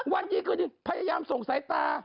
วันดีคืนดีพยายามส่งสายตา